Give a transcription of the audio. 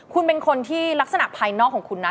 คุณเป็นคนที่ลักษณะภายนอกของคุณนะ